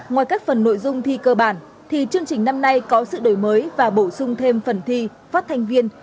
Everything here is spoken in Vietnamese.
ngoài các phần nội dung thi cơ bản thì chương trình năm nay có sự đổi mới và bổ sung thêm phần thi phát thanh viên